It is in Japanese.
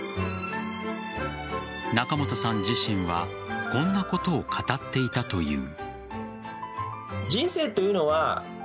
仲本さん自身はこんなことを語っていたという。